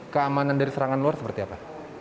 keamanan dari serangan luar seperti apa